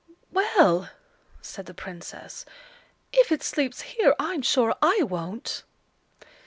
"Well!" said the Princess, "if it sleeps here, I'm sure I won't."